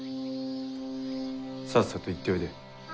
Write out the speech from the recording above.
さっさと行っておいで。